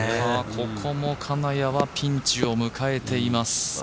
ここもピンチを迎えています。